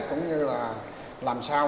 cũng như là làm sao